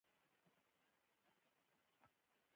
آیا ایران د اورګاډي پټلۍ نه پراخوي؟